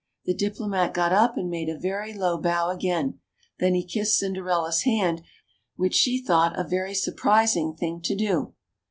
The Diplomat got up and made a very low bow again ; then he kissed Cinderella's hand, which she thought a very surprising thing to do.